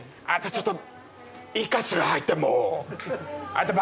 ちょっと。